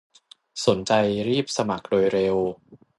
สนใจรีบสมัครโดยเร็ว